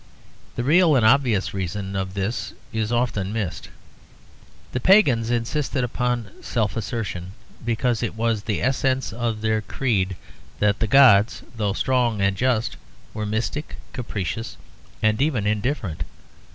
The real and obvious reason of this is often missed. The pagans insisted upon self assertion because it was the essence of their creed that the gods, though strong and just, were mystic, capricious, and even indifferent.